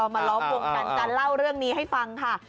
มาล้อมกลุ่มกันกันเล่าเรื่องนี้ให้ฟังค่ะ